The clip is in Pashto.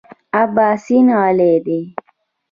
اباسین غلی دی .